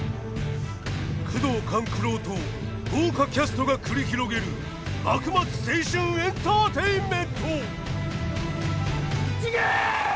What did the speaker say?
宮藤官九郎と豪華キャストが繰り広げる幕末青春エンターテインメント！